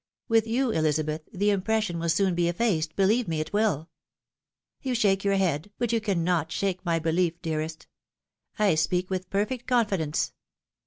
With you, Elizabeth, the impression will be soon effaced, believe me it wiU; you shake your head, but you cannot shake my belief, dearest : I speak with perfect confidence.